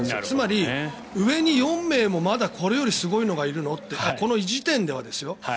つまり、上に４名もまだこれよりすごいのがいるのってこの時点ではですよ。